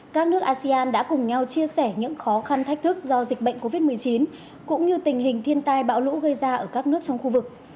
các nước asean đã cùng nhau chia sẻ những khó khăn thách thức do dịch bệnh covid một mươi chín cũng như tình hình thiên tai bão lũ gây ra ở các nước trong khu vực